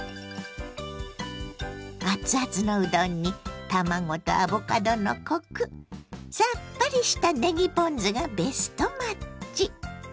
熱々のうどんに卵とアボカドのコクさっぱりしたねぎポン酢がベストマッチ！